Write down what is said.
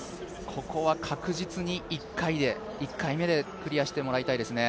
ここは確実に１回目でクリアしてもらいたいですね。